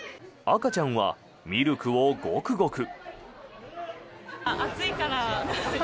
赤ちゃんはミルクをゴクゴク。